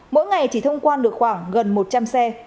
mỗi ngày chỉ thông quan được khoảng gần một trăm linh xe